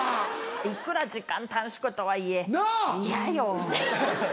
いくら時間短縮とはいえ嫌よ。